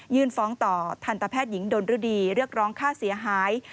ฟ้องต่อทันตแพทย์หญิงดนรดีเรียกร้องค่าเสียหาย